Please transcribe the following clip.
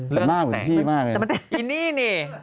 แต่มากเหมือนพี่มากเลยนะอินี่นี่